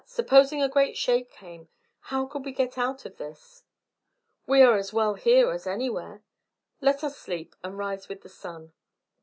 Supposing a great shake came, how could we get out of this?" "We are as well here as anywhere. Let us sleep, and rise with the sun."